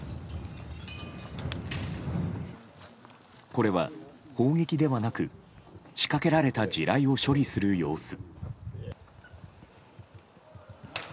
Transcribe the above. これは砲撃ではなく仕掛けられた地雷を処理する様子。